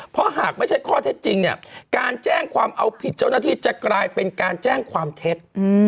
เพราะหากไม่ใช่ข้อเท็จจริงเนี่ยการแจ้งความเอาผิดเจ้าหน้าที่จะกลายเป็นการแจ้งความเท็จ